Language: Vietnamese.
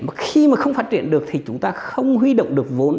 mà khi mà không phát triển được thì chúng ta không huy động được vốn